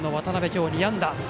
今日、２安打。